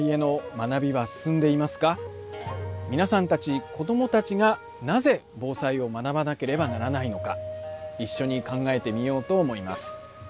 みなさんたち子どもたちがなぜ防災を学ばなければならないのか一緒に考えてみようと思います。